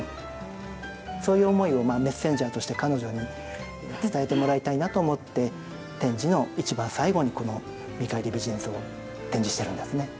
そういう思いをメッセンジャーとして彼女に伝えてもらいたいなと思って展示の一番最後にこの「見返り美人図」を展示してるんですね。